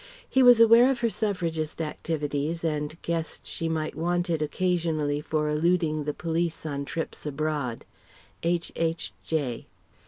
He was aware of her Suffragist activities and guessed she might want it occasionally for eluding the police on trips abroad. H.H.J.